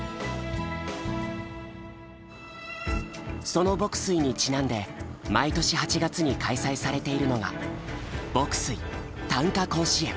その牧水にちなんで毎年８月に開催されているのが牧水・短歌甲子園。